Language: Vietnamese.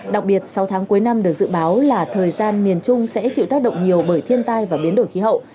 đặc biệt sau tháng cuối năm được dự báo là thời gian miền trung sẽ chịu tác động nhiều bởi thiên tai và biến đổi khí hậu